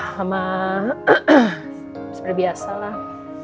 mama seperti biasa lah